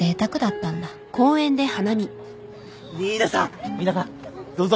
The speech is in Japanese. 新名さん新名さんどうぞ。